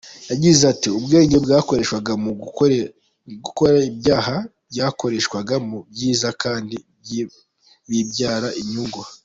Yagize ati “ ubwenge bwakoreshwaga mu gukora ibyaha bwakoreshwa mu byiza kandi bibyara inyungu”.